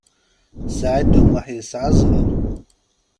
Saɛid U Muḥ yesɛa zzheṛ.